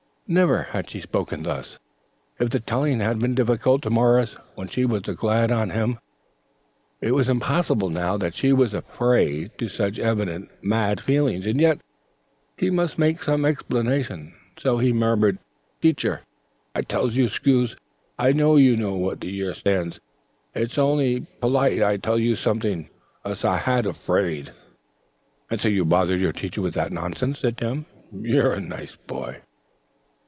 Never had she spoken thus. If the telling had been difficult to Morris when she was "glad on him," it was impossible now that she was a prey to such evident "mad feelings." And yet he must make some explanation. So he murmured: "Teacher, I tells you 'scuse. I know you knows what year stands, on'y it's polite I tells you something, und I had a fraid." "And so you bothered your Teacher with that nonsense," said Tim. "You're a nice boy!"